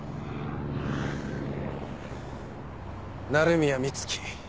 鳴宮美月。